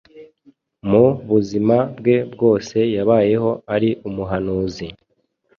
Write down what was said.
Mu buzima bwe bwose yabayeho ari umuhanuzi.